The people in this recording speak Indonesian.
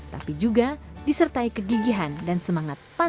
tapi juga disertai kegigihan dan sempurna